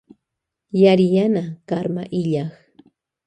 Yariyana karma illak.